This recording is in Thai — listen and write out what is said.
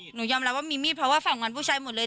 หนูยอมรับว่ามีมีดเพราะว่าฝั่งนั้นผู้ชายหมดเลย